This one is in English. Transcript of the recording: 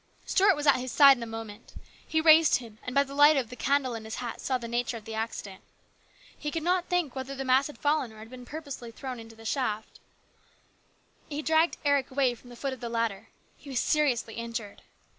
Stuart was at his side in a moment. He raised him, and by. the light of the candle in his hat saw the nature of the accident. He could not think whether the mass had fallen or been thrown pur posely into the shaft. He dragged Eric away from the foot of the ladder. He was seriously injured.